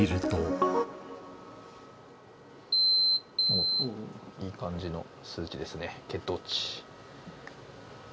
おっ、いい感じの数値ですね、血糖値。